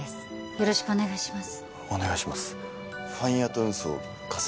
よろしくお願いします